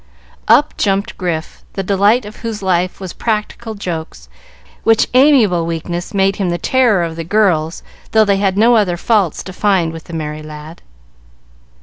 Up jumped Grif, the delight of whose life was practical jokes, which amiable weakness made him the terror of the girls, though they had no other fault to find with the merry lad.